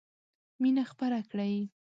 مينه خپره کړئ.